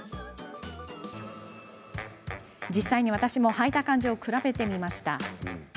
実際に、私もはいた感じを比べてみました。